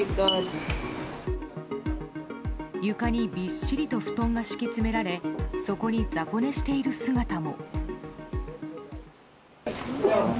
床にびっしりと布団が敷き詰められそこに雑魚寝している姿も。